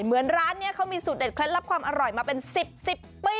เหมือนร้านนี้เขามีสูตรเด็ดเคล็ดลับความอร่อยมาเป็น๑๐ปี